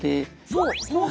そう！